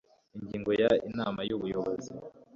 Ingingo ya Inama y Ubuyobozi